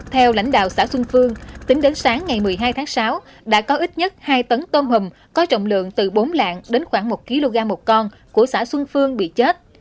theo lãnh đạo xã xuân phương tính đến sáng ngày một mươi hai tháng sáu đã có ít nhất hai tấn tôm hùm có trọng lượng từ bốn lạng đến khoảng một kg một con của xã xuân phương bị chết